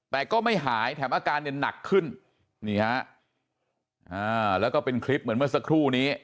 แต่ก็ไม่หายแถมอาการเนี่ยหนักขึ้นนี่ฮะอ่าแล้วก็เป็นคลิปเหมือนเมื่อสักครู่นี้